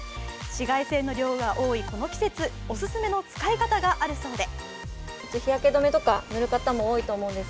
紫外線の量が多いこの季節、オススメの使い方があるそうで。